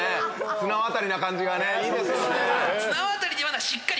綱渡りな感じがねいいですよね